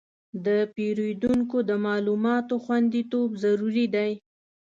د پیرودونکو د معلوماتو خوندیتوب ضروري دی.